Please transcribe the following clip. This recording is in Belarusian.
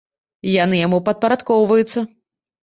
І яны яму падпарадкоўваюцца.